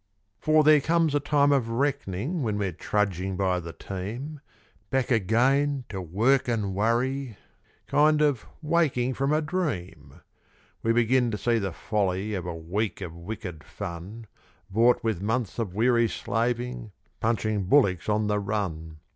For there comes a time of reck'ning when we're trudging by the team; Back again to work an' worry; kind of waking from a dream; We begin to see the folly of a week of wicked fun, Bought with months of weary slaving, punching bullocks on the run.